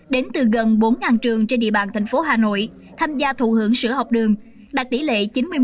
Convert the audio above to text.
đến từ gần bốn trường trên địa bàn thành phố hà nội tham gia thụ hưởng sửa học đường đạt tỷ lệ chín mươi một một mươi sáu